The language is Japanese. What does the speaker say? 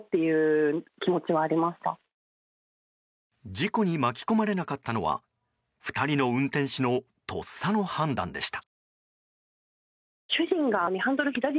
事故に巻き込まれなかったのは２人の運転手のとっさの判断でした。